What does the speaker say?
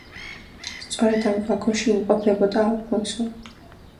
სწორედ ამ ვაგონში იმყოფებოდა ალფონსო.